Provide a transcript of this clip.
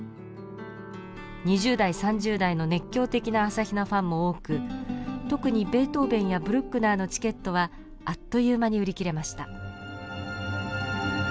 ２０代３０代の熱狂的な朝比奈ファンも多く特にベートーベンやブルックナーのチケットはあっという間に売り切れました。